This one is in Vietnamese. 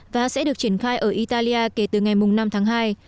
và sẽ được triển khai ở italia kể từ ngày năm tháng hai